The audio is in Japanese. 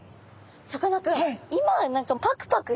さかなクン